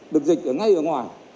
được dịch ở ngay ở ngoài